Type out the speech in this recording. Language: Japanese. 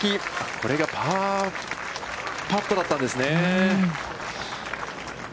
これがパーパットだったんですね。